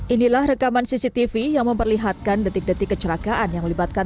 inilah rekaman cctv yang memperlihatkan detik detik kecelakaan yang melibatkan